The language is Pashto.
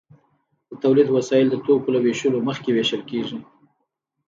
د تولید وسایل د توکو له ویشلو مخکې ویشل کیږي.